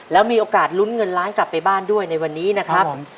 แล้วมีโอกาสลุ้นเงินล้านกลับไปบ้านด้วยในวันนี้นะครับ